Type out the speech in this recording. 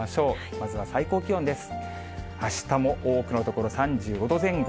まずは最高気温です。